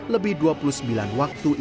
lebih dua lima hari